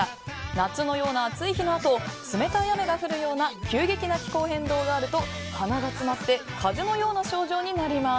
夏のような暑い日のあと冷たい雨が降るような急激な気候変動があると鼻が詰まって風邪のような症状になります。